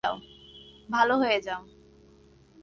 ভালো হয়ে যাও।